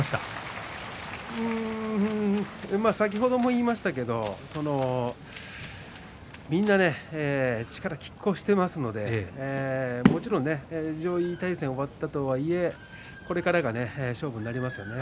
先ほども言いましたけれどみんな力がきっ抗していますのでもちろん上位対戦が終わったとはいえこれからが勝負になりますね。